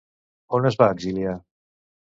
On es va exiliar?